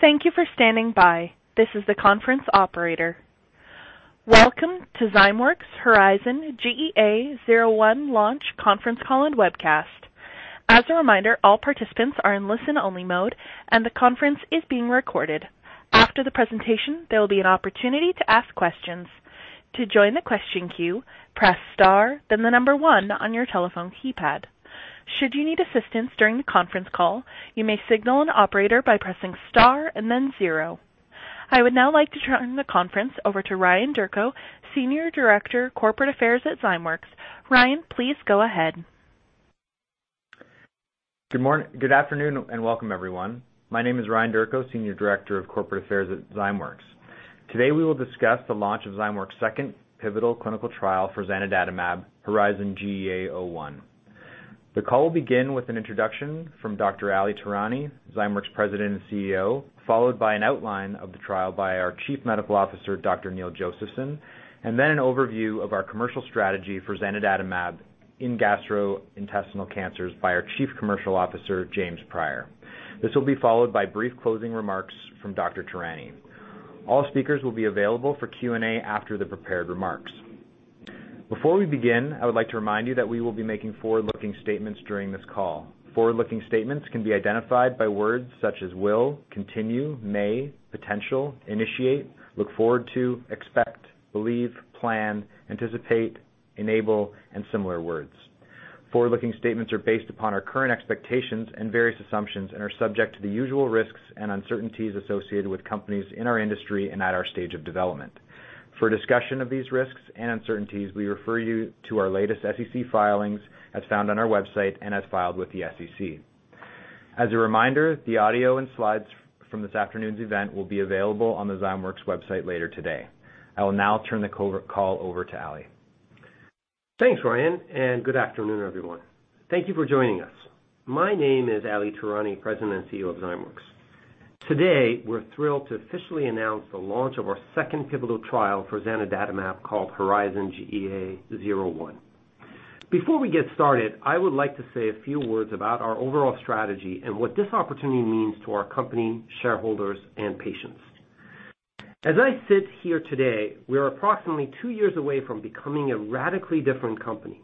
Thank you for standing by. This is the conference operator. Welcome to Zymeworks HERIZON-GEA-01 launch conference call and webcast. As a reminder, all participants are in listen-only mode, and the conference is being recorded. After the presentation, there will be an opportunity to ask questions. To join the question queue, press Star, then the number one on your telephone keypad. Should you need assistance during the conference call, you may signal an operator by pressing star and then zero. I would now like to turn the conference over to Ryan Durko, Senior Director, Corporate Affairs at Zymeworks. Ryan, please go ahead. Good morning, good afternoon and welcome, everyone. My name is Ryan Durko, Senior Director of Corporate Affairs at Zymeworks. Today, we will discuss the launch of Zymeworks' second pivotal clinical trial for zanidatamab, HERIZON-GEA-01. The call will begin with an introduction from Dr. Ali Tehrani, Zymeworks' President and CEO, followed by an outline of the trial by our Chief Medical Officer, Dr. Neil Josephson, and then an overview of our commercial strategy for zanidatamab in gastrointestinal cancers by our Chief Commercial Officer, James Priour. This will be followed by brief closing remarks from Dr. Tehrani. All speakers will be available for Q&A after the prepared remarks. Before we begin, I would like to remind you that we will be making forward-looking statements during this call. Forward-looking statements can be identified by words such as will, continue, may, potential, initiate, look forward to, expect, believe, plan, anticipate, enable, and similar words. Forward-looking statements are based upon our current expectations and various assumptions and are subject to the usual risks and uncertainties associated with companies in our industry and at our stage of development. For a discussion of these risks and uncertainties, we refer you to our latest SEC filings as found on our website and as filed with the SEC. As a reminder, the audio and slides from this afternoon's event will be available on the Zymeworks website later today. I will now turn the call over to Ali. Thanks, Ryan, and good afternoon, everyone. Thank you for joining us. My name is Ali Tehrani, President and CEO of Zymeworks. Today, we're thrilled to officially announce the launch of our second pivotal trial for zanidatamab, called HERIZON-GEA-01. Before we get started, I would like to say a few words about our overall strategy and what this opportunity means to our company, shareholders, and patients. As I sit here today, we are approximately two years away from becoming a radically different company.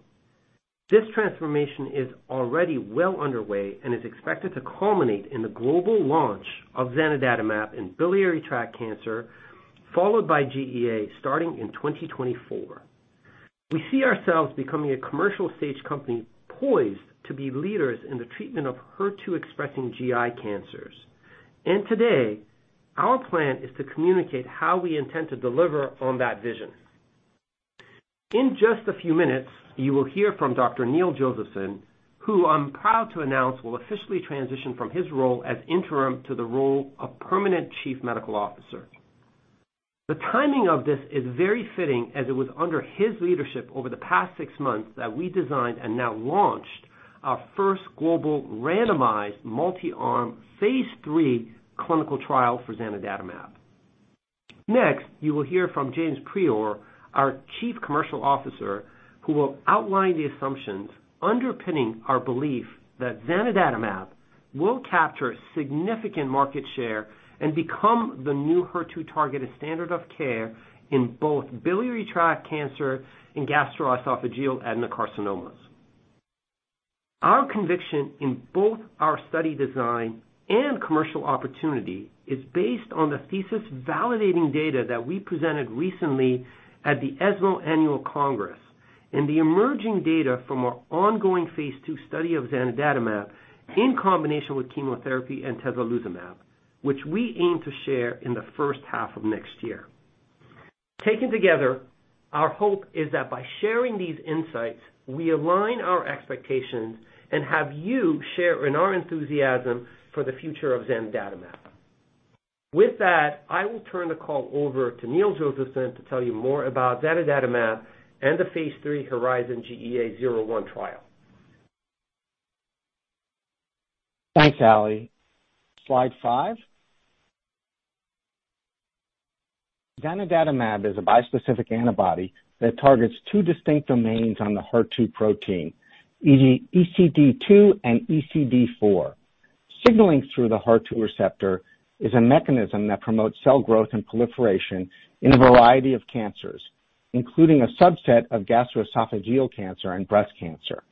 This transformation is already well underway and is expected to culminate in the global launch of zanidatamab in biliary tract cancer, followed by GEA starting in 2024. We see ourselves becoming a commercial-stage company poised to be leaders in the treatment of HER2-expressing GI cancers. Today, our plan is to communicate how we intend to deliver on that vision. In just a few minutes, you will hear from Dr. Neil Josephson, who I'm proud to announce will officially transition from his role as interim to the role of permanent Chief Medical Officer. The timing of this is very fitting, as it was under his leadership over the past six months that we designed and now launched our first global randomized multi-arm phase III clinical trial for zanidatamab. Next, you will hear from James Priour, our Chief Commercial Officer, who will outline the assumptions underpinning our belief that zanidatamab will capture significant market share and become the new HER2-targeted standard of care in both biliary tract cancer and gastroesophageal adenocarcinomas. Our conviction in both our study design and commercial opportunity is based on the thesis-validating data that we presented recently at the ESMO annual Congress and the emerging data from our ongoing phase II study of zanidatamab in combination with chemotherapy and tislelizumab, which we aim to share in the first half of next year. Taken together, our hope is that by sharing these insights, we align our expectations and have you share in our enthusiasm for the future of zanidatamab. With that, I will turn the call over to Neil Josephson to tell you more about zanidatamab and the phase III HERIZON-GEA-01 trial. Thanks, Ali. Slide five. Zanidatamab is a bispecific antibody that targets two distinct domains on the HER2 protein, ECD2 and ECD4. Signaling through the HER2 receptor is a mechanism that promotes cell growth and proliferation in a variety of cancers, including a subset of gastroesophageal cancer and breast cancer.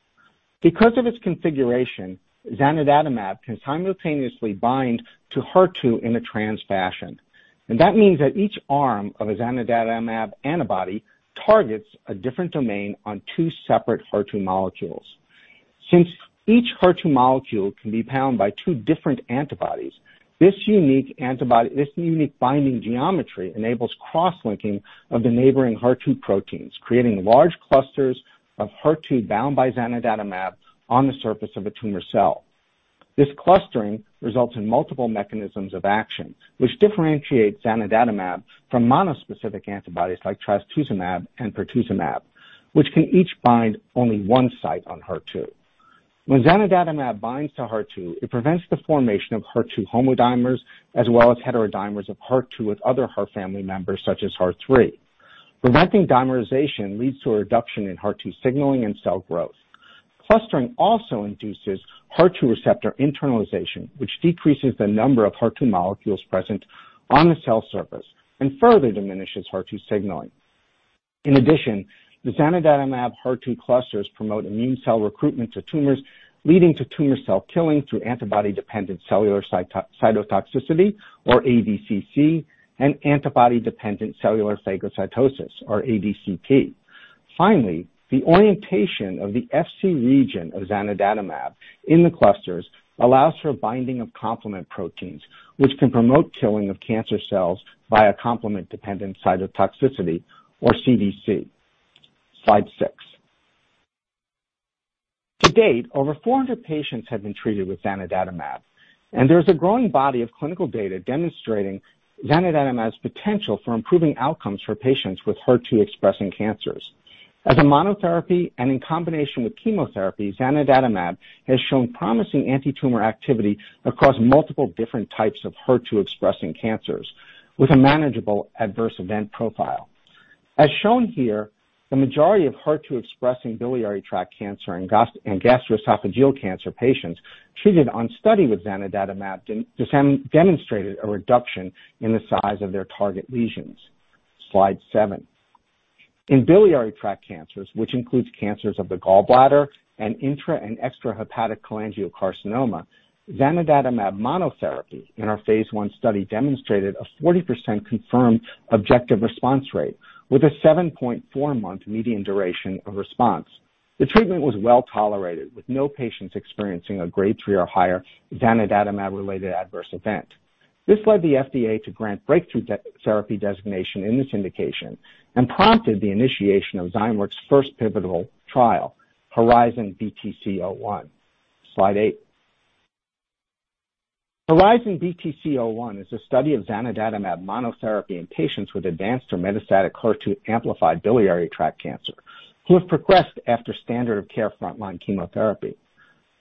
Because of its configuration, zanidatamab can simultaneously bind to HER2 in a trans fashion, and that means that each arm of a zanidatamab antibody targets a different domain on two separate HER2 molecules. Since each HER2 molecule can be bound by two different antibodies, this unique binding geometry enables cross-linking of the neighboring HER2 proteins, creating large clusters of HER2 bound by zanidatamab on the surface of a tumor cell. This clustering results in multiple mechanisms of action, which differentiate zanidatamab from monospecific antibodies like trastuzumab and pertuzumab, which can each bind only one site on HER2. When zanidatamab binds to HER2, it prevents the formation of HER2 homodimers as well as heterodimers of HER2 with other HER family members such as HER3. Preventing dimerization leads to a reduction in HER2 signaling and cell growth. Clustering also induces HER2 receptor internalization, which decreases the number of HER2 molecules present on the cell surface and further diminishes HER2 signaling. In addition, the zanidatamab HER2 clusters promote immune cell recruitment to tumors, leading to tumor cell killing through antibody-dependent cellular cytotoxicity, or ADCC, and antibody-dependent cellular phagocytosis, or ADCP. Finally, the orientation of the Fc region of zanidatamab in the clusters allows for binding of complement proteins, which can promote killing of cancer cells via complement-dependent cytotoxicity, or CDC. Slide six. To date, over 400 patients have been treated with zanidatamab, and there's a growing body of clinical data demonstrating zanidatamab's potential for improving outcomes for patients with HER2-expressing cancers. As a monotherapy and in combination with chemotherapy, zanidatamab has shown promising antitumor activity across multiple different types of HER2-expressing cancers with a manageable adverse event profile. As shown here, the majority of HER2-expressing biliary tract cancer and gastroesophageal cancer patients treated on study with zanidatamab demonstrated a reduction in the size of their target lesions. Slide seven. In biliary tract cancers, which includes cancers of the gallbladder and intra and extrahepatic cholangiocarcinoma, zanidatamab monotherapy in our phase I study demonstrated a 40% confirmed objective response rate with a 7.4-month median duration of response. The treatment was well-tolerated, with no patients experiencing a grade three or higher zanidatamab-related adverse event. This led the FDA to grant breakthrough therapy designation in this indication and prompted the initiation of Zymeworks' first pivotal trial, HERIZON-BTC-01. Slide 8. HERIZON-BTC-01 is a study of zanidatamab monotherapy in patients with advanced or metastatic HER2-amplified biliary tract cancer who have progressed after standard of care frontline chemotherapy.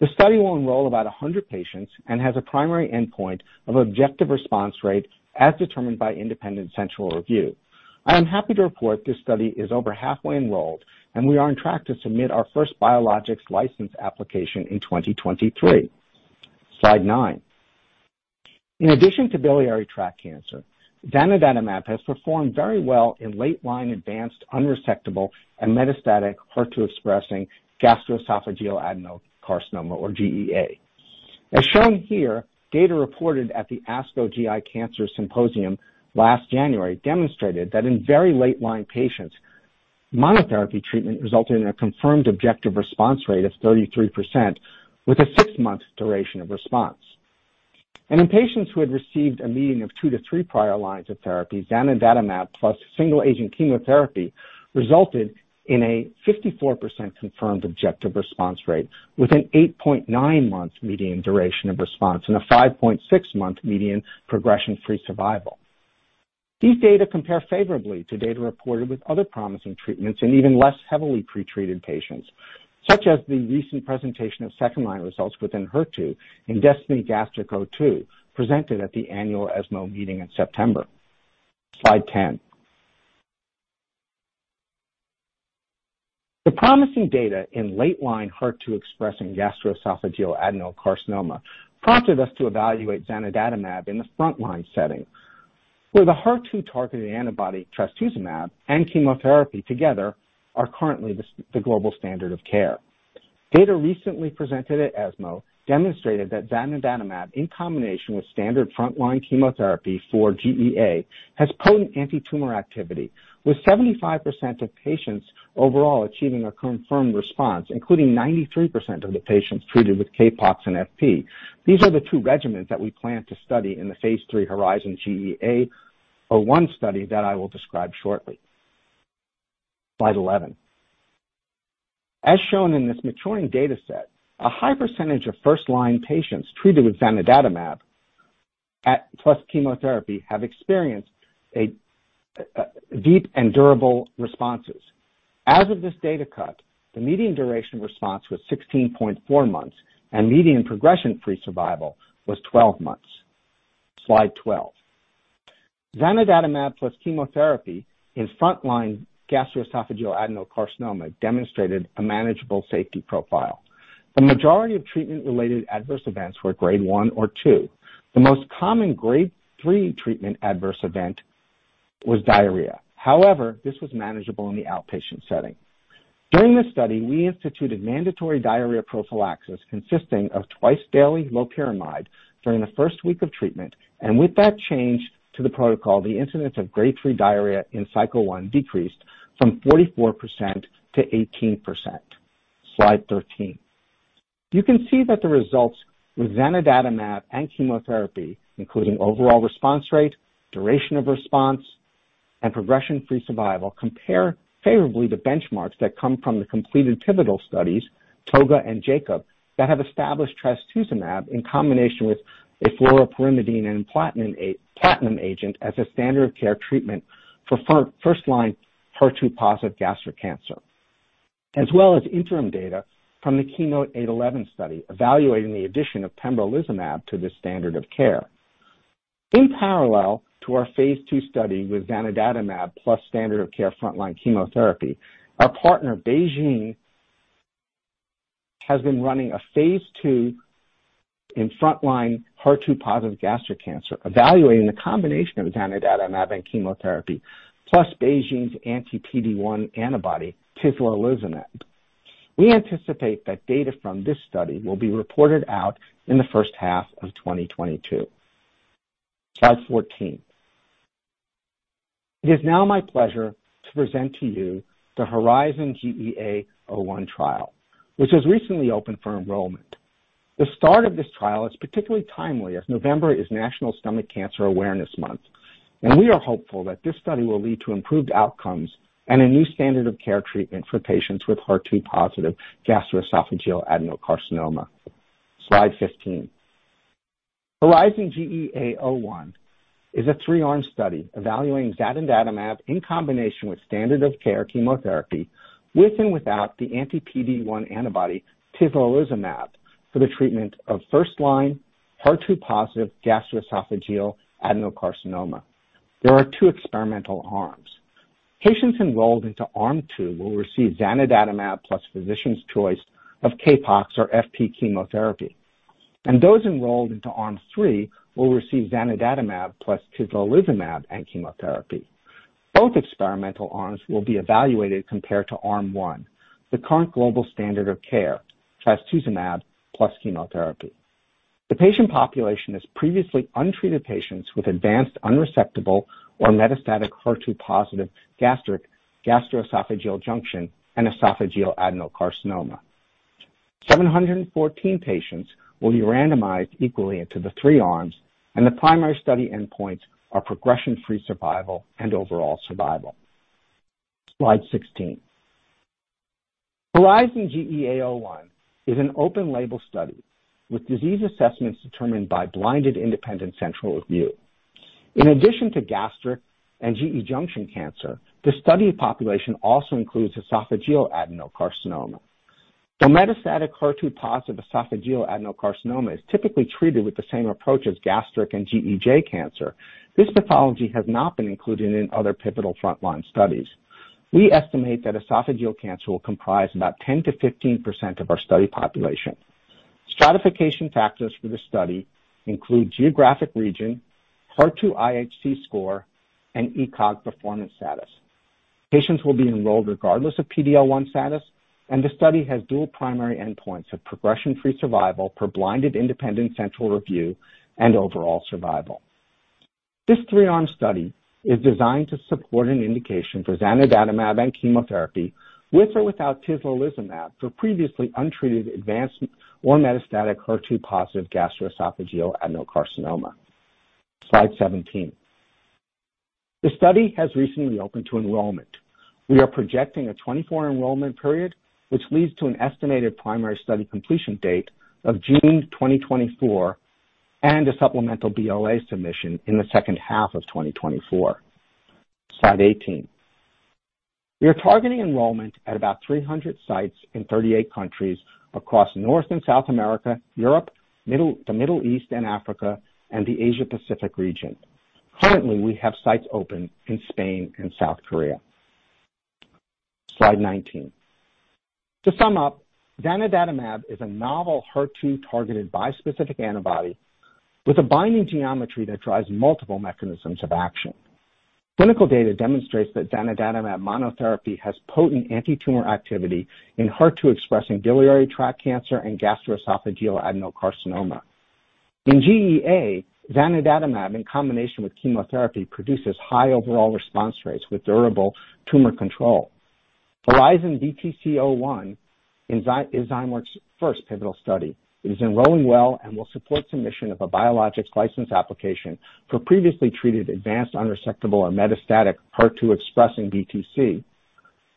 The study will enroll about 100 patients and has a primary endpoint of objective response rate as determined by independent central review. I am happy to report this study is over halfway enrolled, and we are on track to submit our first biologics license application in 2023. Slide nine. In addition to biliary tract cancer, zanidatamab has performed very well in late-line, advanced, unresectable, and metastatic HER2-expressing gastroesophageal adenocarcinoma or GEA. As shown here, data reported at the ASCO Gastrointestinal Cancers Symposium last January demonstrated that in very late-line patients, monotherapy treatment resulted in a confirmed objective response rate of 33% with a six-month duration of response. In patients who had received a median of two to three prior lines of therapy, zanidatamab plus single-agent chemotherapy resulted in a 54% confirmed objective response rate with an 8.9-month median duration of response and a 5.6-month median progression-free survival. These data compare favorably to data reported with other promising treatments in even less heavily pretreated patients, such as the recent presentation of second-line results within HER2 in DESTINY-Gastric02, presented at the annual ESMO meeting in September. Slide 10. The promising data in late-line HER2-expressing gastroesophageal adenocarcinoma prompted us to evaluate zanidatamab in the front-line setting, where the HER2-targeted antibody trastuzumab and chemotherapy together are currently the global standard of care. Data recently presented at ESMO demonstrated that zanidatamab, in combination with standard front-line chemotherapy for GEA, has potent antitumor activity, with 75% of patients overall achieving a confirmed response, including 93% of the patients treated with CAPOX and FP. These are the two regimens that we plan to study in the phase III HERIZON-GEA-01 study that I will describe shortly. Slide 11. As shown in this maturing data set, a high percentage of first-line patients treated with zanidatamab plus chemotherapy have experienced deep and durable responses. As of this data cut, the median duration of response was 16.4 months, and median progression-free survival was 12 months. Slide 12. Zanidatamab plus chemotherapy in front-line gastroesophageal adenocarcinoma demonstrated a manageable safety profile. The majority of treatment-related adverse events were grade 1 or 2. The most common grade 3 treatment adverse event was diarrhea. However, this was manageable in the outpatient setting. During the study, we instituted mandatory diarrhea prophylaxis consisting of twice-daily loperamide during the first week of treatment. With that change to the protocol, the incidence of grade 3 diarrhea in cycle 1 decreased from 44%-18%. Slide 13. You can see that the results with zanidatamab and chemotherapy, including overall response rate, duration of response, and progression-free survival, compare favorably to benchmarks that come from the completed pivotal studies, ToGA and JACOB, that have established trastuzumab in combination with a fluoropyrimidine and platinum agent as a standard of care treatment for first-line HER2-positive gastric cancer, as well as interim data from the KEYNOTE-811 study evaluating the addition of pembrolizumab to the standard of care. In parallel to our phase II study with zanidatamab plus standard of care frontline chemotherapy, our partner BeiGene has been running a phase II in frontline HER2-positive gastric cancer, evaluating the combination of zanidatamab and chemotherapy, plus BeiGene's anti-PD-1 antibody, tislelizumab. We anticipate that data from this study will be reported out in the first half of 2022. Slide 14. It is now my pleasure to present to you the HERIZON-GEA-01 trial, which has recently opened for enrollment. The start of this trial is particularly timely, as November is National Stomach Cancer Awareness Month, and we are hopeful that this study will lead to improved outcomes and a new standard of care treatment for patients with HER2-positive gastroesophageal adenocarcinoma. Slide 15. HERIZON-GEA-01 is a 3-arm study evaluating zanidatamab in combination with standard of care chemotherapy with and without the anti-PD-1 antibody, tislelizumab, for the treatment of first-line HER2-positive gastroesophageal adenocarcinoma. There are two experimental arms. Patients enrolled into arm two will receive zanidatamab plus physician's choice of CAPOX or FP chemotherapy. Those enrolled into arm 3 will receive zanidatamab plus tislelizumab and chemotherapy. Both experimental arms will be evaluated compared to arm one, the current global standard of care, trastuzumab plus chemotherapy. The patient population is previously untreated patients with advanced unresectable or metastatic HER2-positive gastric, gastroesophageal junction, and esophageal adenocarcinoma. 714 patients will be randomized equally into the 3-arms, and the primary study endpoints are progression-free survival and overall survival. Slide 16. HERIZON-GEA-01 is an open label study with disease assessments determined by blinded independent central review. In addition to gastric and GE junction cancer, the study population also includes esophageal adenocarcinoma. The metastatic HER2-positive esophageal adenocarcinoma is typically treated with the same approach as gastric and GEJ cancer. This pathology has not been included in other pivotal frontline studies. We estimate that esophageal cancer will comprise about 10%-15% of our study population. Stratification factors for the study include geographic region, HER2 IHC score, and ECOG performance status. Patients will be enrolled regardless of PD-L1 status, and the study has dual primary endpoints of progression-free survival for blinded independent central review and overall survival. This three-arm study is designed to support an indication for zanidatamab and chemotherapy with or without tislelizumab for previously untreated advanced or metastatic HER2-positive gastroesophageal adenocarcinoma. Slide 17. The study has recently opened to enrollment. We are projecting a 24 enrollment period, which leads to an estimated primary study completion date of June 2024, and a supplemental BLA submission in the second half of 2024. Slide 18. We are targeting enrollment at about 300 sites in 38 countries across North and South America, Europe, the Middle East and Africa, and the Asia Pacific region. Currently, we have sites open in Spain and South Korea. Slide 19. To sum up, zanidatamab is a novel HER2-targeted bispecific antibody with a binding geometry that drives multiple mechanisms of action. Clinical data demonstrates that zanidatamab monotherapy has potent antitumor activity in HER2 expressing biliary tract cancer and gastroesophageal adenocarcinoma. In GEA, zanidatamab in combination with chemotherapy produces high overall response rates with durable tumor control. HERIZON-BTC-01 is Zymeworks first pivotal study. It is enrolling well and will support submission of a biologics license application for previously treated advanced unresectable or metastatic HER2 expressing BTC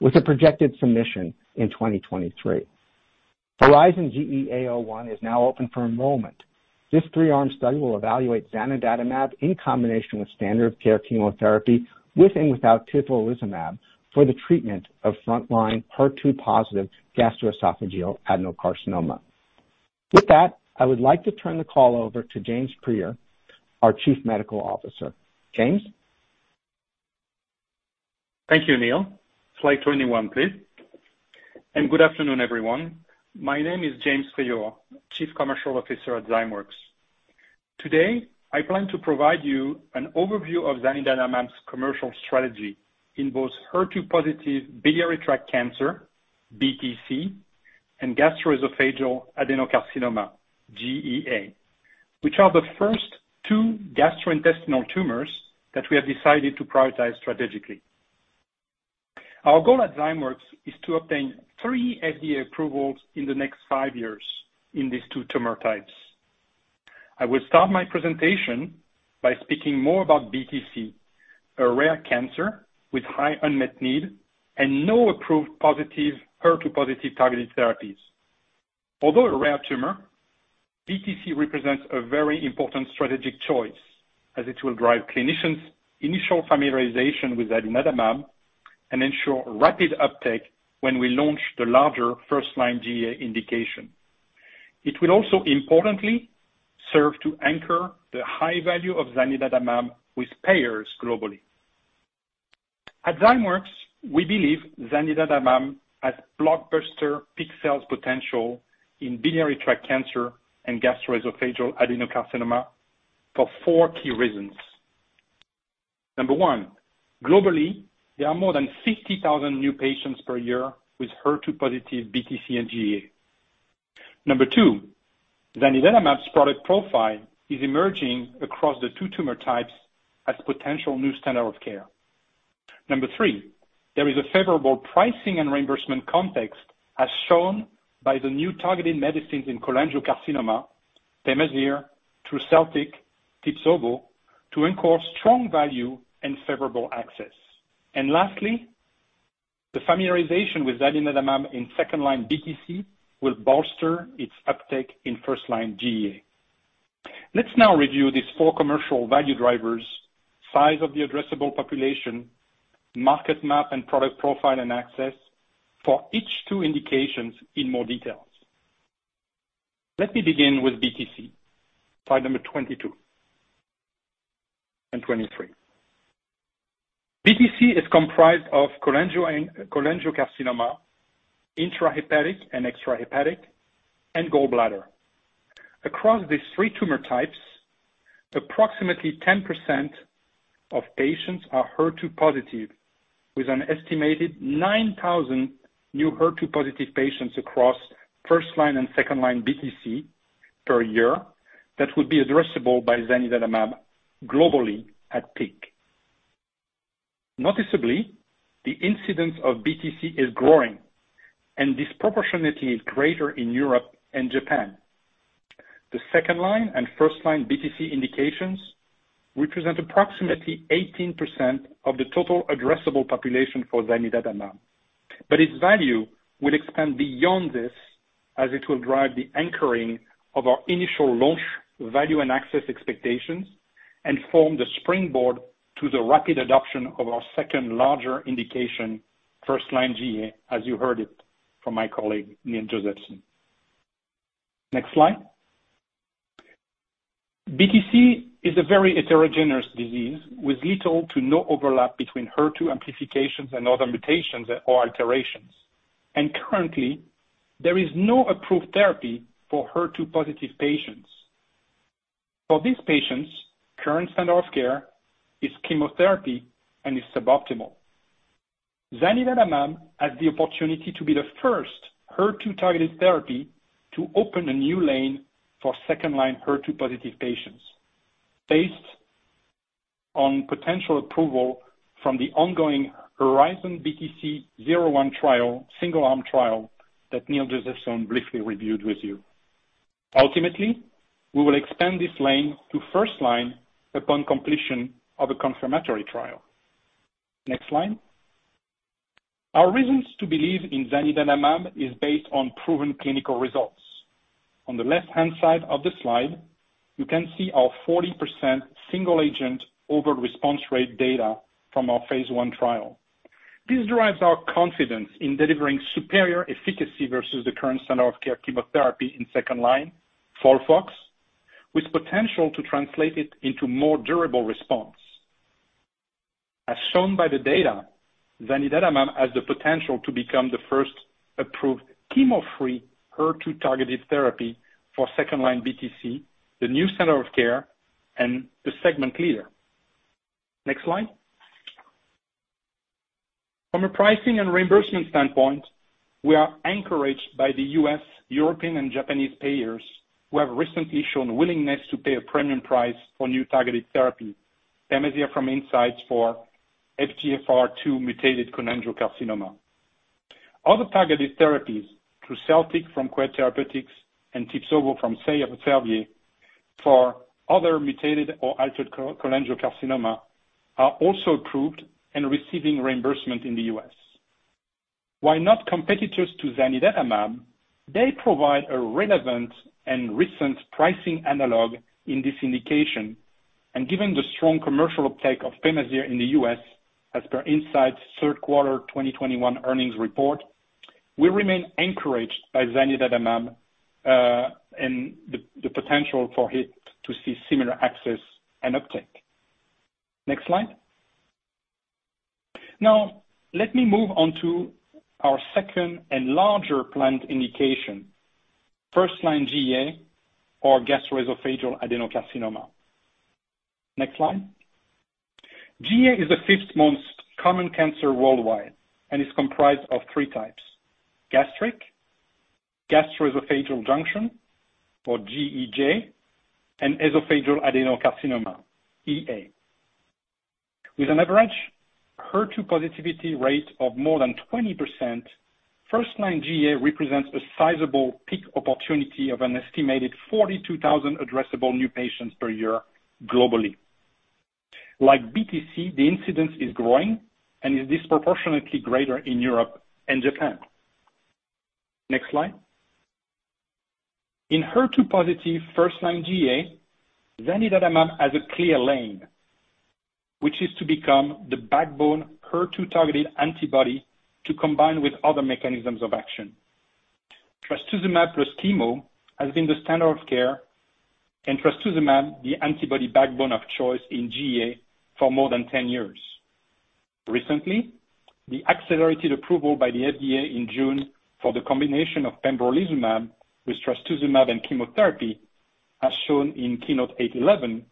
with a projected submission in 2023. HERIZON-GEA-01 is now open for enrollment. This three-arm study will evaluate zanidatamab in combination with standard of care chemotherapy with and without tislelizumab for the treatment of frontline HER2-positive gastroesophageal adenocarcinoma. With that, I would like to turn the call over to James Priour, our Chief Medical Officer. James? Thank you, Neil. Slide 21, please. Good afternoon, everyone. My name is James Priour, Chief Commercial Officer at Zymeworks. Today, I plan to provide you an overview of zanidatamab's commercial strategy in both HER2-positive biliary tract cancer, BTC, and gastroesophageal adenocarcinoma, GEA, which are the first two gastrointestinal tumors that we have decided to prioritize strategically. Our goal at Zymeworks is to obtain three FDA approvals in the next five years in these two tumor types. I will start my presentation by speaking more about BTC, a rare cancer with high unmet need and no approved positive, HER2-positive targeted therapies. Although a rare tumor, BTC represents a very important strategic choice, as it will drive clinicians' initial familiarization with zanidatamab and ensure rapid uptake when we launch the larger first-line GEA indication. It will also importantly serve to anchor the high value of zanidatamab with payers globally. At Zymeworks, we believe zanidatamab has blockbuster peak sales potential in biliary tract cancer and gastroesophageal adenocarcinoma for four key reasons. Number one, globally, there are more than 60,000 new patients per year with HER2-positive BTC and GEA. Number two, zanidatamab's product profile is emerging across the two tumor types as potential new standard of care. Number three, there is a favorable pricing and reimbursement context as shown by the new targeted medicines in cholangiocarcinoma, Pemazyre, Truseltiq, TIBSOVO, to ensure strong value and favorable access. Lastly, the familiarization with zanidatamab in second-line BTC will bolster its uptake in first-line GEA. Let's now review these four commercial value drivers, size of the addressable population, market map, and product profile and access for each of the two indications in more detail. Let me begin with BTC. Slide number 22 and 23. BTC is comprised of cholangiocarcinoma, intrahepatic and extrahepatic, and gallbladder. Across these three tumor types, approximately 10% of patients are HER2 positive with an estimated 9,000 new HER2 positive patients across first-line and second-line BTC per year that would be addressable by zanidatamab globally at peak. Noticeably, the incidence of BTC is growing and disproportionately greater in Europe and Japan. The second line and first line BTC indications represent approximately 18% of the total addressable population for zanidatamab, but its value will expand beyond this as it will drive the anchoring of our initial launch value and access expectations and form the springboard to the rapid adoption of our second larger indication, first-line GEA, as you heard it from my colleague, Neil Josephson. Next slide. BTC is a very heterogeneous disease with little to no overlap between HER2 amplifications and other mutations or alterations. Currently, there is no approved therapy for HER2-positive patients. For these patients, current standard of care is chemotherapy and is suboptimal. Zanidatamab has the opportunity to be the first HER2-targeted therapy to open a new lane for second-line HER2-positive patients based on potential approval from the ongoing HERIZON-BTC-01 trial, single-arm trial that Neil Josephson briefly reviewed with you. Ultimately, we will expand this lane to first-line upon completion of a confirmatory trial. Next slide. Our reasons to believe in zanidatamab is based on proven clinical results. On the left-hand side of the slide, you can see our 40% single agent overall response rate data from our phase I trial. This drives our confidence in delivering superior efficacy versus the current standard of care chemotherapy in second-line FOLFOX, with potential to translate it into more durable response. As shown by the data, zanidatamab has the potential to become the first approved chemo-free HER2 targeted therapy for second-line BTC, the new standard of care and the segment leader. Next slide. From a pricing and reimbursement standpoint, we are encouraged by the U.S., European, and Japanese payers who have recently shown willingness to pay a premium price for new targeted therapy, Pemazyre from Incyte for FGFR2 mutated cholangiocarcinoma. Other targeted therapies, Truseltiq from QED Therapeutics and TIBSOVO from Bayer and Servier for other mutated or altered cholangiocarcinoma, are also approved and receiving reimbursement in the U.S. While not competitors to zanidatamab, they provide a relevant and recent pricing analog in this indication, and given the strong commercial uptake of Pemazyre in the U.S. as per Incyte's third quarter 2021 earnings report, we remain encouraged by zanidatamab and the potential for it to see similar access and uptake. Next slide. Now, let me move on to our second and larger planned indication, first-line GEA or gastroesophageal adenocarcinoma. Next slide. GEA is the fifth most common cancer worldwide and is comprised of three types: gastric, gastroesophageal junction, or GEJ, and esophageal adenocarcinoma, EA. With an average HER2 positivity rate of more than 20%, first-line GEA represents a sizable peak opportunity of an estimated 42,000 addressable new patients per year globally. Like BTC, the incidence is growing and is disproportionately greater in Europe and Japan. Next slide. In HER2-positive first-line GEA, zanidatamab has a clear lane, which is to become the backbone HER2-targeted antibody to combine with other mechanisms of action. Trastuzumab plus chemo has been the standard of care, and trastuzumab the antibody backbone of choice in GEA for more than 10 years. Recently, the accelerated approval by the FDA in June for the combination of pembrolizumab with trastuzumab and chemotherapy, as shown in KEYNOTE-811,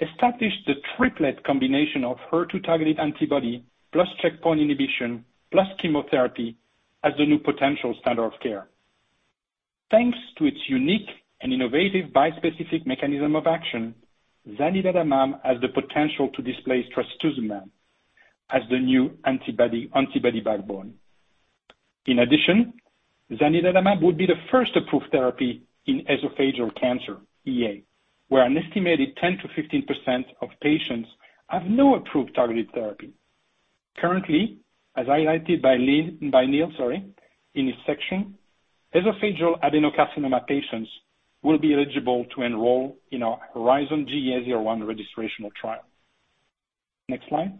established the triplet combination of HER2-targeted antibody plus checkpoint inhibition plus chemotherapy as the new potential standard of care. Thanks to its unique and innovative bispecific mechanism of action, zanidatamab has the potential to displace trastuzumab as the new antibody backbone. In addition, zanidatamab would be the first approved therapy in esophageal cancer, EA, where an estimated 10%-15% of patients have no approved targeted therapy. Currently, as highlighted by Neil Josephson in his section, esophageal adenocarcinoma patients will be eligible to enroll in our HERIZON-GEA-01 registrational trial. Next slide.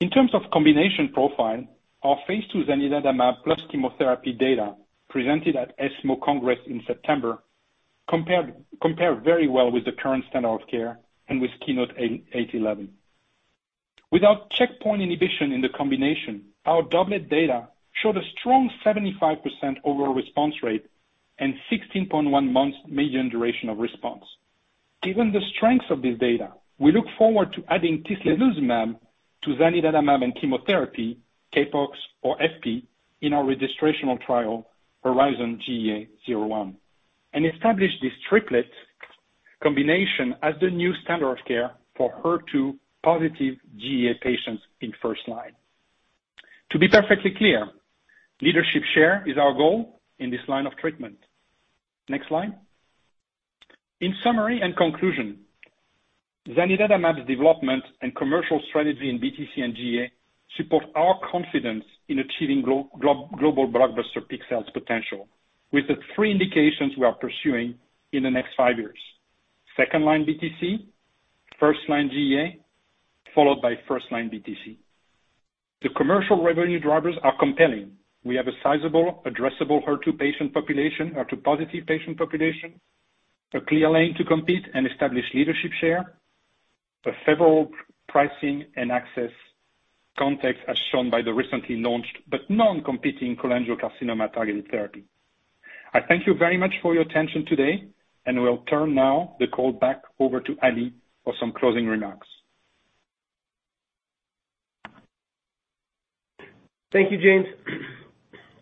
In terms of combination profile, our phase II zanidatamab plus chemotherapy data presented at ESMO Congress in September compared very well with the current standard of care and with KEYNOTE-811. Without checkpoint inhibition in the combination, our doublet data showed a strong 75% overall response rate and 16.1 months median duration of response. Given the strengths of this data, we look forward to adding tislelizumab to zanidatamab and chemotherapy, CAPOX or FP, in our registrational trial, HERIZON-GEA-01, and establish this triplet combination as the new standard of care for HER2-positive GEA patients in first-line. To be perfectly clear, leadership share is our goal in this line of treatment. Next slide. In summary and conclusion, zanidatamab's development and commercial strategy in BTC and GEA support our confidence in achieving global blockbuster peak sales potential with the three indications we are pursuing in the next five years. Second line BTC, first line GEA, followed by first line BTC. The commercial revenue drivers are compelling. We have a sizable addressable HER2 patient population, HER2 positive patient population, a clear lane to compete and establish leadership share, a favorable pricing and access context as shown by the recently launched but non-competing cholangiocarcinoma targeted therapy. I thank you very much for your attention today and will turn now the call back over to Ali for some closing remarks. Thank you, James.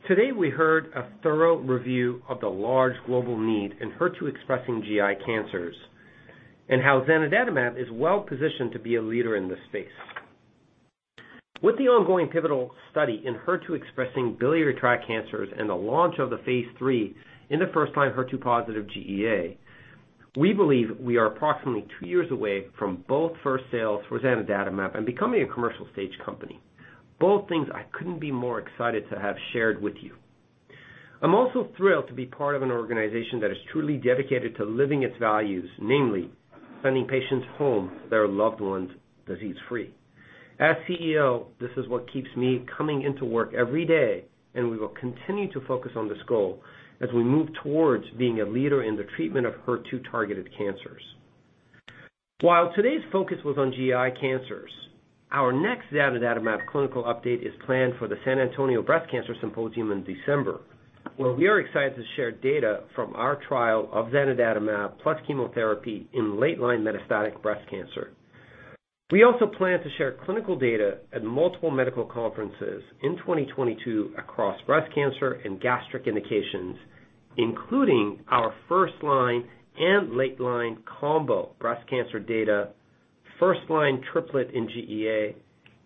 Today we heard a thorough review of the large global need in HER2 expressing GI cancers and how zanidatamab is well positioned to be a leader in this space. With the ongoing pivotal study in HER2 expressing biliary tract cancers and the launch of the phase III in the first line, HER2 positive GEA, we believe we are approximately two years away from both first sales for zanidatamab and becoming a commercial stage company. Both things I couldn't be more excited to have shared with you. I'm also thrilled to be part of an organization that is truly dedicated to living its values, namely sending patients home to their loved ones, disease free. As CEO, this is what keeps me coming into work every day, and we will continue to focus on this goal as we move towards being a leader in the treatment of HER2 targeted cancers. While today's focus was on GEA cancers, our next zanidatamab clinical update is planned for the San Antonio Breast Cancer Symposium in December, where we are excited to share data from our trial of zanidatamab plus chemotherapy in late line metastatic breast cancer. We also plan to share clinical data at multiple medical conferences in 2022 across breast cancer and gastric indications, including our first line and late line combo breast cancer data, first line triplet in GEA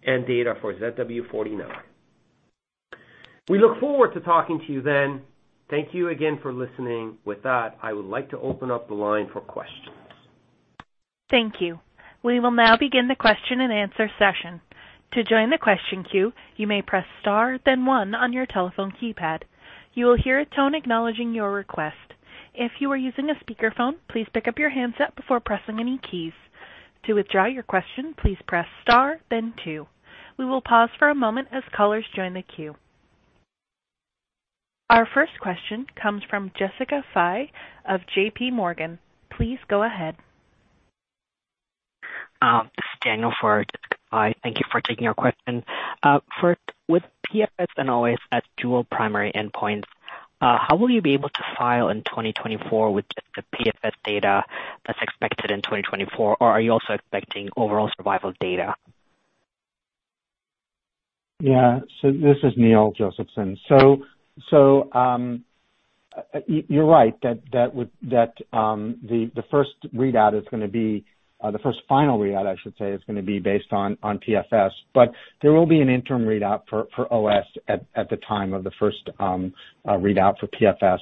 and data for ZW49. We look forward to talking to you then. Thank you again for listening. With that, I would like to open up the line for questions. Thank you. We will now begin the question and answer session. To join the question queue, you may press star then one on your telephone keypad. You will hear a tone acknowledging your request. If you are using a speakerphone, please pick up your handset before pressing any keys. To withdraw your question, please press star then two. We will pause for a moment as callers join the queue. Our first question comes from Jessica Fye of JPMorgan. Please go ahead. This is Daniel for Jessica Fye. Thank you for taking our question. First, with PFS and OS as dual primary endpoints, how will you be able to file in 2024 with just the PFS data that's expected in 2024? Or are you also expecting overall survival data? Yeah. This is Neil Josephson. You're right that the first readout is gonna be the first final readout, I should say, is gonna be based on PFS, but there will be an interim readout for OS at the time of the first readout for PFS.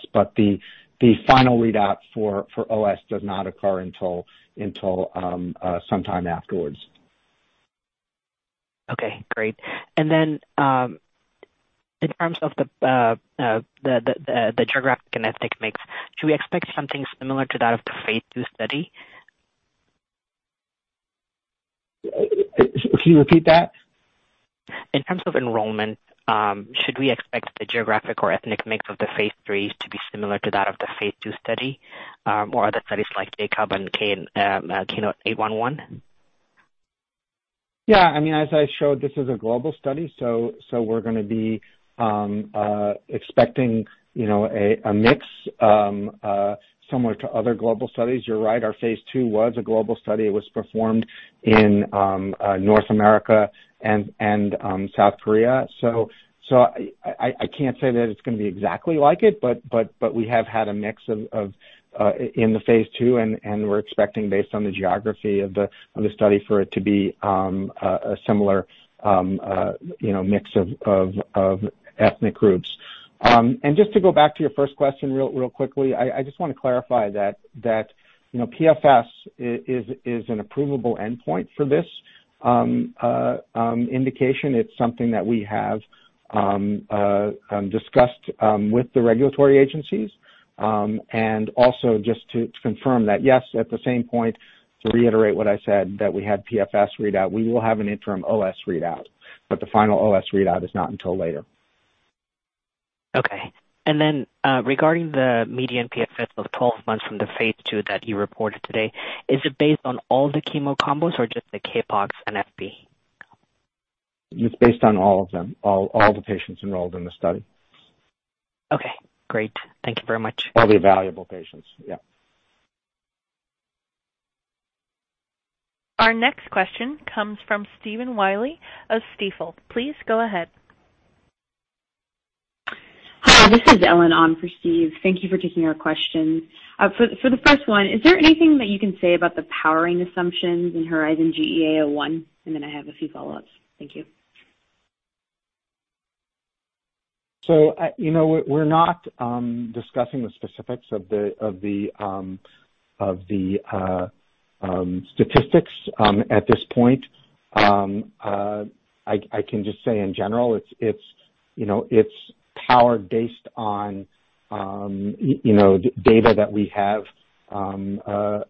The final readout for OS does not occur until sometime afterwards. Okay, great. In terms of the geographic and ethnic mix, should we expect something similar to that of the phase II study? Can you repeat that? In terms of enrollment, should we expect the geographic or ethnic mix of the phase III to be similar to that of the phase II study, or other studies like RATIONALE-305 and KEYNOTE-811? Yeah. I mean, as I showed, this is a global study, so we're gonna be expecting, you know, a mix similar to other global studies. You're right, our phase II was a global study. It was performed in North America and South Korea. I can't say that it's gonna be exactly like it, but we have had a mix in the phase II and we're expecting based on the geography of the study for it to be a similar, you know, mix of ethnic groups. Just to go back to your first question real quickly, I just wanna clarify that, you know, PFS is an approvable endpoint for this indication. It's something that we have discussed with the regulatory agencies. Also just to confirm that yes, at the same point, to reiterate what I said, that we had PFS readout. We will have an interim OS readout, but the final OS readout is not until later. Okay. Regarding the median PFS of 12 months from the phase II that you reported today, is it based on all the chemo combos or just the CAPOX and FP? It's based on all of them, all the patients enrolled in the study. Okay, great. Thank you very much. All the valuable patients. Yeah. Our next question comes from Stephen Willey of Stifel. Please go ahead. Hi, this is Ellen on for Steve. Thank you for taking our question. For the first one, is there anything that you can say about the powering assumptions in HERIZON-GEA-01? Then I have a few follow-ups. Thank you. You know, we're not discussing the specifics of the statistics at this point. I can just say in general it's, you know, it's powered based on, you know, data that we have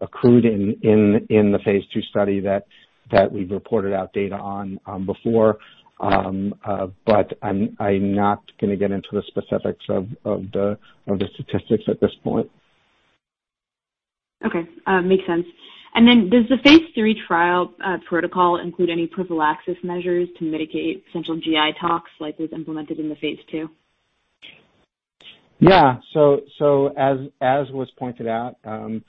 accrued in the phase II study that we've reported out data on, before. I'm not gonna get into the specifics of the statistics at this point. Makes sense. Does the phase III trial protocol include any prophylaxis measures to mitigate severe GI tox like was implemented in the phase II? Yeah. As was pointed out, in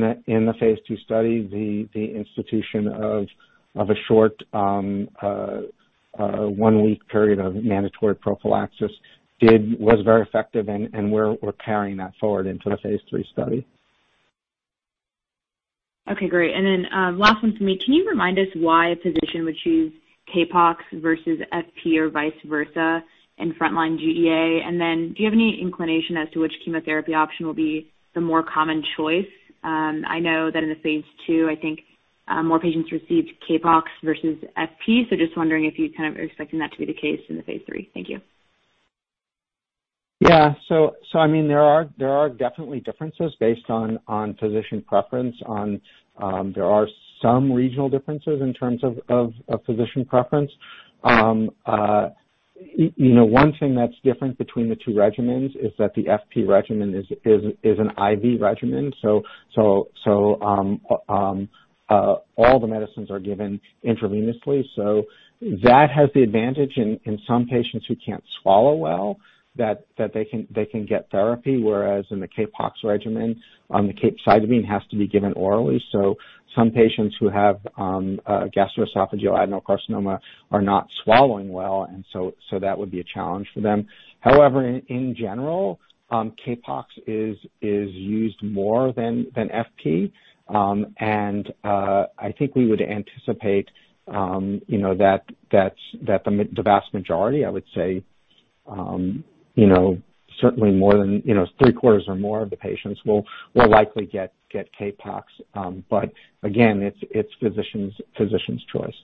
the phase II study, the institution of a short one-week period of mandatory prophylaxis was very effective and we're carrying that forward into the phase III study. Okay, great. Last one for me. Can you remind us why a physician would choose CAPOX versus FP or vice versa in frontline GEA? Do you have any inclination as to which chemotherapy option will be the more common choice? I know that in the phase II, I think, more patients received CAPOX versus FP, so just wondering if you kind of are expecting that to be the case in the phase III. Thank you. I mean, there are definitely differences based on physician preference. There are some regional differences in terms of physician preference. You know, one thing that's different between the two regimens is that the FP regimen is an IV regimen. All the medicines are given intravenously. That has the advantage in some patients who can't swallow well, that they can get therapy, whereas in the CAPOX regimen, the capecitabine has to be given orally. Some patients who have gastroesophageal adenocarcinoma are not swallowing well, and so that would be a challenge for them. However, in general, CAPOX is used more than FP. I think we would anticipate, you know, that the vast majority, I would say, you know, certainly more than three-quarters or more of the patients will likely get CAPOX. Again, it's physician's choice.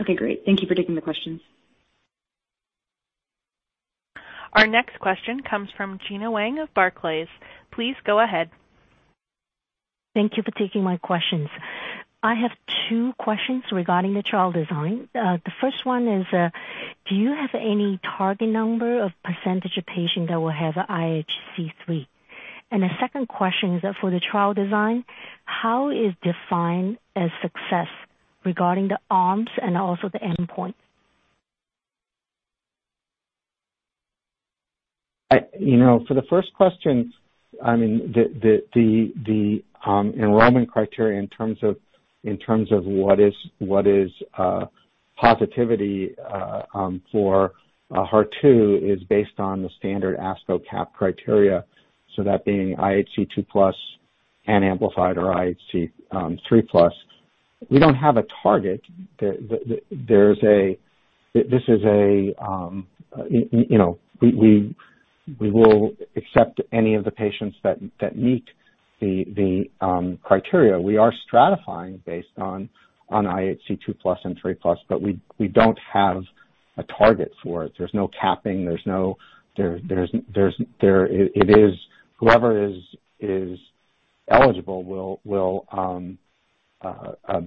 Okay, great. Thank you for taking the questions. Our next question comes from Gena Wang of Barclays. Please go ahead. Thank you for taking my questions. I have two questions regarding the trial design. The first one is, do you have any target number or percentage of patients that will have IHC 3? The second question is that for the trial design, how success is defined regarding the arms and also the endpoint? You know, for the first question, I mean, enrollment criteria in terms of what is positivity for HER2 is based on the standard ASCO CAP criteria, so that being IHC 2+ and amplified or IHC 3+. We don't have a target. This is a, you know, we will accept any of the patients that meet the criteria. We are stratifying based on IHC 2+ and 3+, but we don't have a target for it. There's no capping, there's no there it is. Whoever is eligible will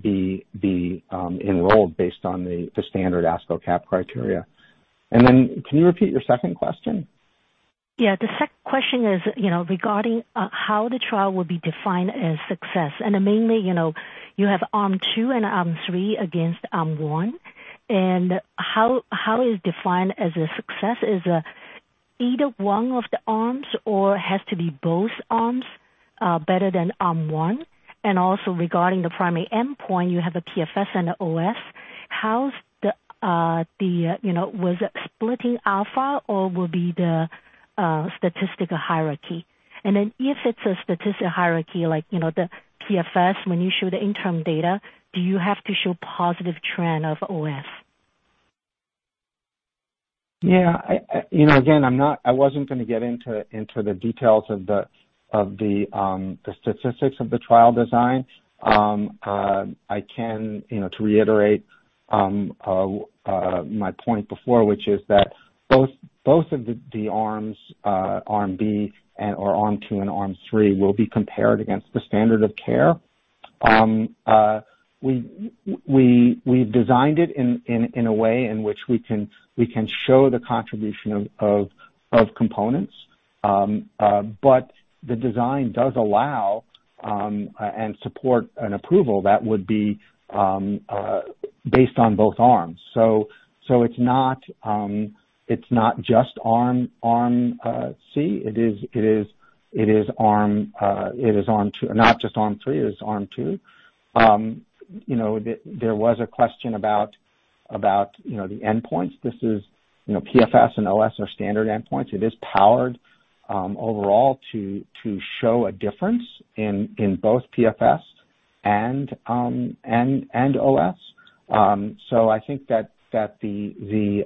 be enrolled based on the standard ASCO CAP criteria. Then can you repeat your second question? Yeah. The second question is, you know, regarding how the trial will be defined as success and mainly, you know, you have arm 2 and arm 3 against arm 1 and how is defined as a success is either one of the arms or has to be both arms better than arm 1. Also regarding the primary endpoint, you have PFS and OS. How is the, you know, is it splitting alpha or will it be the statistical hierarchy? Then if it's a statistical hierarchy like, you know, the PFS, when you show the interim data, do you have to show positive trend of OS? Yeah. You know, again, I wasn't gonna get into the details of the statistics of the trial design. I can, you know, to reiterate my point before, which is that both of the arms, arm B and/or arm 2 and arm 3 will be compared against the standard of care. We designed it in a way in which we can show the contribution of components. The design does allow and support an approval that would be based on both arms. It's not just arm C. It is arm 2, not just arm 3. It is arm 2. You know, there was a question about the endpoints. This is, you know, PFS and OS are standard endpoints. It is powered overall to show a difference in both PFS and OS. I think that the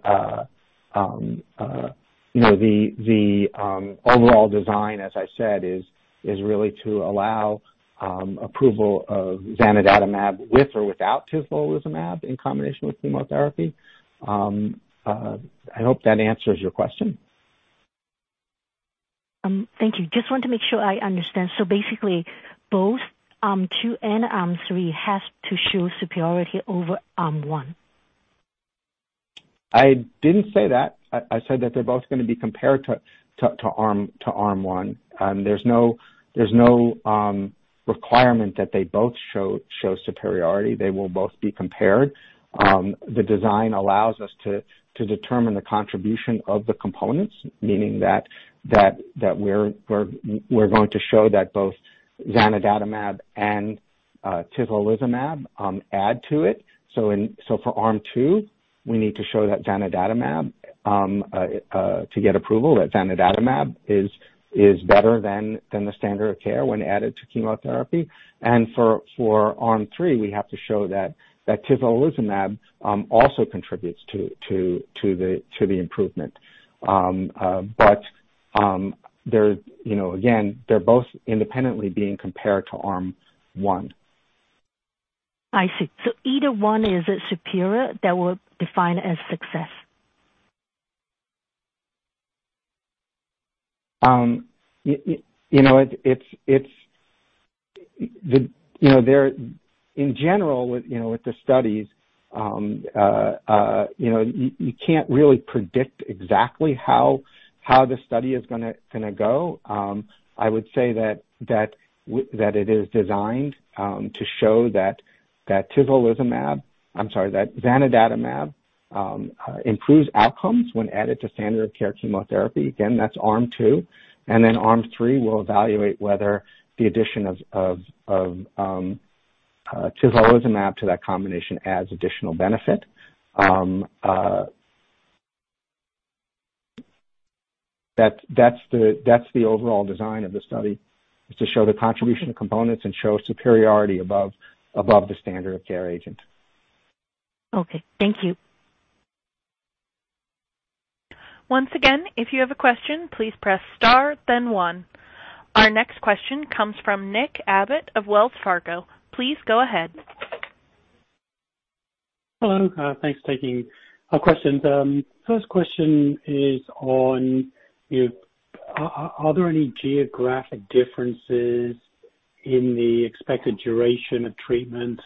overall design, as I said, is really to allow approval of zanidatamab with or without tislelizumab in combination with chemotherapy. I hope that answers your question. Thank you. Just want to make sure I understand. Basically, both arm 2 and arm 3 has to show superiority over arm 1. I didn't say that. I said that they're both gonna be compared to arm 1. There's no requirement that they both show superiority. They will both be compared. The design allows us to determine the contribution of the components, meaning that we're going to show that both zanidatamab and tislelizumab add to it. For arm 2, we need to show, to get approval, that zanidatamab is better than the standard of care when added to chemotherapy. For arm 3, we have to show that tislelizumab also contributes to the improvement. They're, you know, again, both independently being compared to arm 1. I see. Either one is superior that will define as success. You know, it's the, you know, with the studies, you know, you can't really predict exactly how the study is gonna go. I would say that it is designed to show that tislelizumab, I'm sorry, that zanidatamab, improves outcomes when added to standard of care chemotherapy. Again, that's arm 2, and then arm 3 will evaluate whether the addition of tislelizumab to that combination adds additional benefit. That's the overall design of the study, is to show the contribution of components and show superiority above the standard of care agent. Okay. Thank you. Once again, if you have a question, please press star then one. Our next question comes from Nick Abbott of Wells Fargo. Please go ahead. Hello. Thanks for taking our questions. First question is on, are there any geographic differences in the expected duration of treatment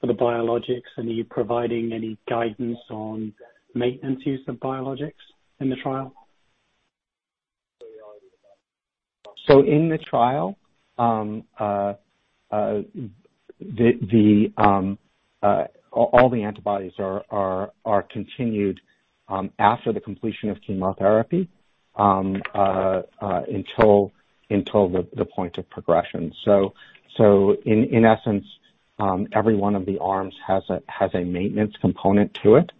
for the biologics? Are you providing any guidance on maintenance use of biologics in the trial? In the trial, all the antibodies are continued after the completion of chemotherapy until the point of progression. In essence, every one of the arms has a maintenance component to it,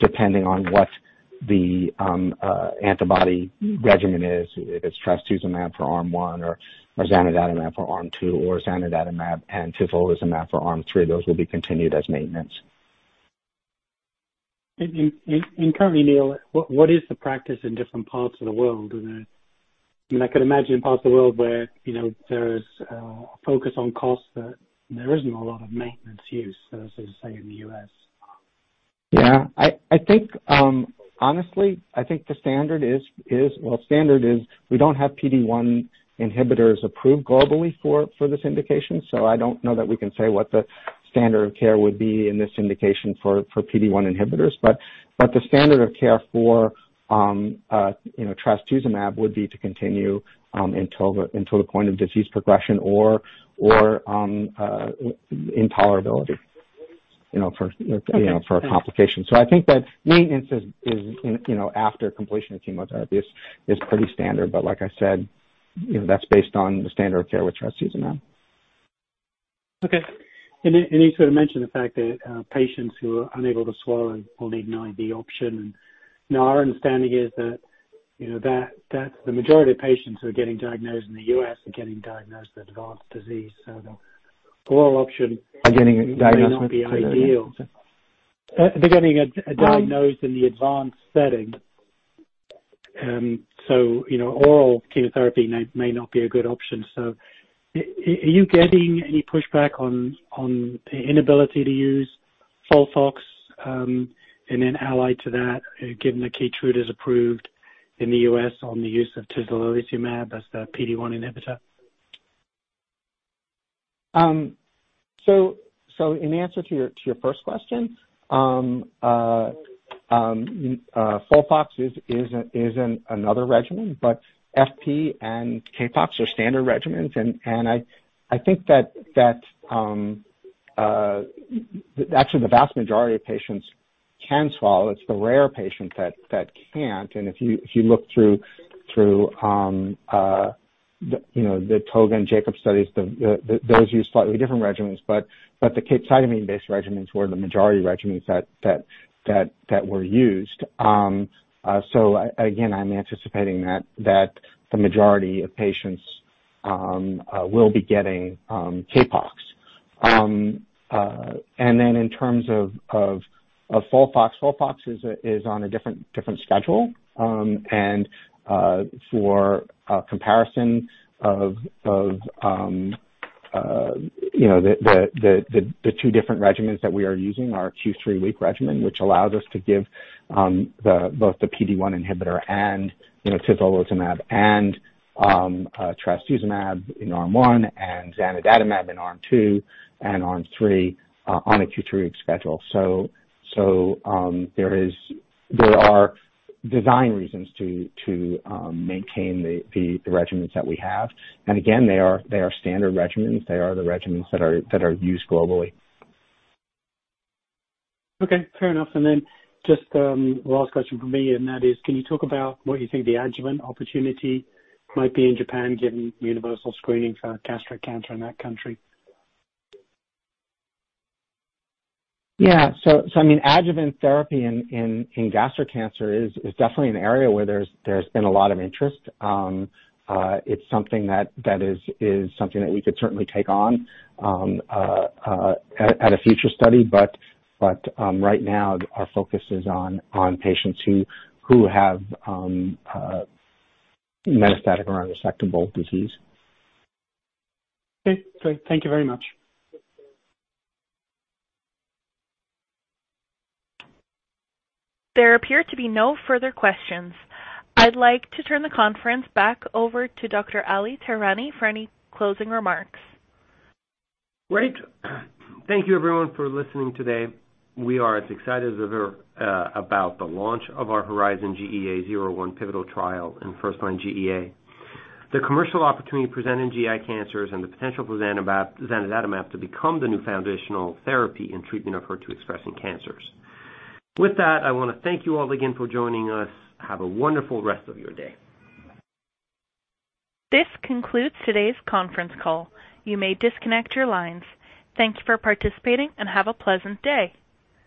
depending on what the antibody regimen is, if it's trastuzumab for arm 1 or zanidatamab for arm 2 or zanidatamab and tislelizumab for arm 3, those will be continued as maintenance. Currently, Neil, what is the practice in different parts of the world? I mean, I could imagine parts of the world where, you know, there's a focus on costs that there isn't a lot of maintenance use as, say, in the U.S. Yeah. I think, honestly, I think the standard is we don't have PD-1 inhibitors approved globally for this indication, so I don't know that we can say what the standard of care would be in this indication for PD-1 inhibitors. The standard of care for, you know, trastuzumab would be to continue until the point of disease progression or intolerability. Okay. You know, for a complication. I think that maintenance is, you know, after completion of chemotherapy is pretty standard. Like I said, you know, that's based on the standard of care with trastuzumab. Okay. You sort of mentioned the fact that patients who are unable to swallow will need an IV option. Now our understanding is that, you know, that the majority of patients who are getting diagnosed in the U.S. are getting diagnosed with advanced disease. The oral option- Are getting diagnosed with, may not be ideal. They're getting diagnosed in the advanced setting. So you know, oral chemotherapy may not be a good option. So are you getting any pushback on the inability to use FOLFOX, and then allied to that, given the KEYTRUDA is approved in the U.S. on the use of tislelizumab as the PD-1 inhibitor? In answer to your first question, FOLFOX is another regimen, but FP and CAPOX are standard regimens. I think that actually the vast majority of patients can swallow. It's the rare patient that can't. If you look through you know the ToGA and JACOB studies, those use slightly different regimens, but the capecitabine-based regimens were the majority regimens that were used. Again, I'm anticipating that the majority of patients will be getting CAPOX. In terms of FOLFOX is on a different schedule. For a comparison of you know the two different regimens that we are using, our Q3 week regimen, which allows us to give both the PD-1 inhibitor and you know tislelizumab and trastuzumab in arm 1 and zanidatamab in arm 2 and arm 3 on a Q3 week schedule. There are design reasons to maintain the regimens that we have. Again, they are standard regimens. They are the regimens that are used globally. Okay. Fair enough. Just last question from me, and that is, can you talk about what you think the adjuvant opportunity might be in Japan, given universal screening for gastric cancer in that country? Yeah. I mean, adjuvant therapy in gastric cancer is definitely an area where there's been a lot of interest. It's something that is something that we could certainly take on at a future study. Right now our focus is on patients who have metastatic or unresectable disease. Okay. Great. Thank you very much. There appear to be no further questions. I'd like to turn the conference back over to Dr. Ali Tehrani for any closing remarks. Great. Thank you everyone for listening today. We are as excited as ever about the launch of our HERIZON-GEA-01 pivotal trial in first-line GEA, the commercial opportunity presented in GI cancers and the potential for zanidatamab to become the new foundational therapy in treatment of HER2 expressing cancers. With that, I wanna thank you all again for joining us. Have a wonderful rest of your day. This concludes today's conference call. You may disconnect your lines. Thank you for participating and have a pleasant day.